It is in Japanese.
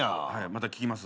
また聞きます。